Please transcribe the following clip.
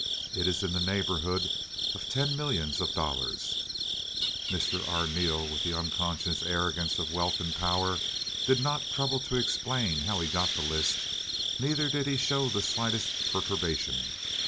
It is in the neighborhood of ten millions of dollars." Mr. Arneel, with the unconscious arrogance of wealth and power, did not trouble to explain how he got the list, neither did he show the slightest perturbation.